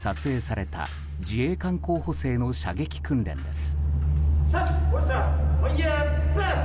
これは、２年前に撮影された自衛官候補生の射撃訓練です。